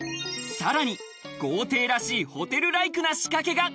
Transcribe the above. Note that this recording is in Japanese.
さらに豪邸らしいホテルライクな仕掛けが。